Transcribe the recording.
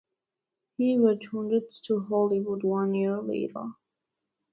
He returned to Hollywood one year later.